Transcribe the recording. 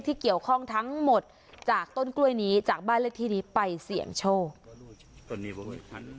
ที่เกี่ยวข้องทั้งหมดจากต้นกล้วยนี้จากบ้านเลขที่นี้ไปเสี่ยงโชค